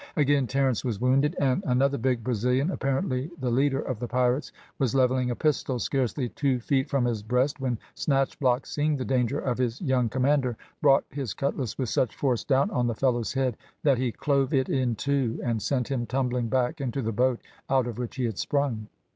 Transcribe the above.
Again Terence was wounded, and another big Brazilian, apparently the leader of the pirates, was levelling a pistol scarcely two feet from his breast, when Snatchblock, seeing the danger of his young commander, brought his cutlass with such force down on the fellow's head, that he clove it in two, and sent him tumbling back into the boat out of which he had sprung.